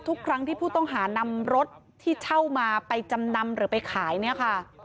ทุกครั้งที่ผู้ต้องหานำรถที่เช่ามาไปจำนำหรือไปขายเนี่ยค่ะ